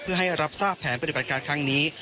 เพื่อให้รับทราบแผนปฏิบัติการครั้งนี้